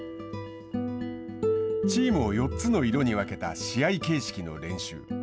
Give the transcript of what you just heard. チームを４つの色に分けた試合形式の練習。